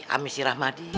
ami si rahmadi